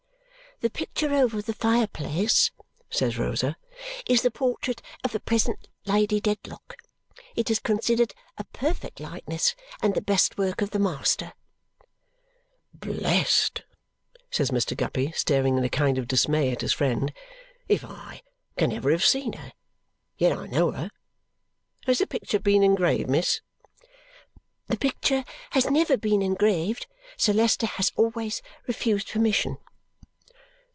"The picture over the fire place," says Rosa, "is the portrait of the present Lady Dedlock. It is considered a perfect likeness, and the best work of the master." "Blest," says Mr. Guppy, staring in a kind of dismay at his friend, "if I can ever have seen her. Yet I know her! Has the picture been engraved, miss?" "The picture has never been engraved. Sir Leicester has always refused permission."